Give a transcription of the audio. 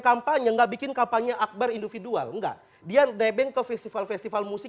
kampanye nggak bikin kapalnya akbar individual enggak dian erikakan festival festival musik